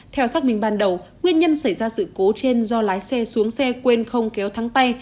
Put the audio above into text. theo xác minh ban đầu nguyên nhân xảy ra sự cố trên do lái xe xuống xe quên không kéo thắng tay